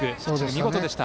見事でした。